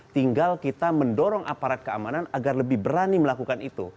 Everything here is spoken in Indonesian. tinggal kita mendorong aparat keamanan agar lebih berani melakukan itu